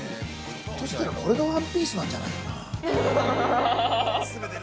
これがワンピースなんじゃないかな。